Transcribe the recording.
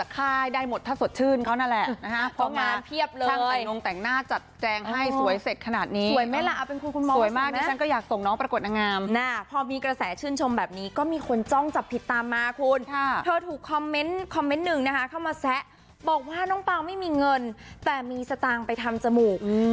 เข้ามาแซะบอกว่าน้องเปล่าไม่มีเงินแต่มีสตางค์ไปทำจมูกอืม